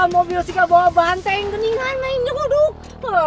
mobil sih gak bawa banteng geningan main juga aduh